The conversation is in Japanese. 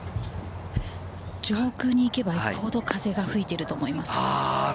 上空に行けば行くほど、風が吹いていると思います。